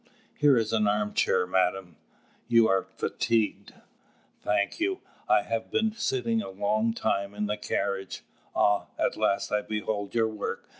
Here is an arm chair, madame: you are fatigued?" "Thank you: I have been sitting a long time in the carriage. Ah, at last I behold your work!"